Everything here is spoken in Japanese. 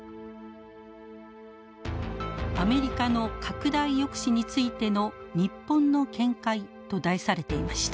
「アメリカの拡大抑止についての日本の見解」と題されていました。